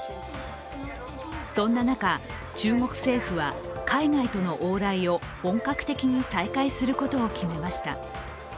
そんな中、中国政府は海外との往来を本格的に再開することを決めました。